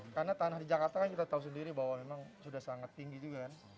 karena tanah di jakarta kan kita tahu sendiri bahwa memang sudah sangat tinggi juga kan